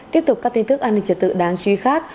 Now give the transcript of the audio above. tiếp tục các tin tức an ninh trật tự đáng suy khắc